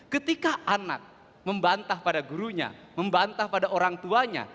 ketika anak membantah pada gurunya membantah pada orang tuanya